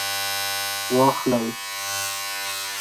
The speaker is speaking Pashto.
واخلئ